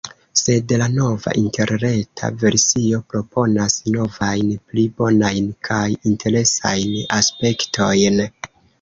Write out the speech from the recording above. Sed la nova interreta versio proponas novajn pli bonajn kaj interesajn aspektojn.